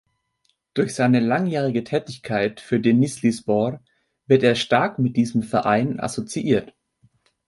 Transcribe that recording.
Durch seine langjährige Tätigkeit für Denizlispor wird er stark mit diesem Verein assoziiert.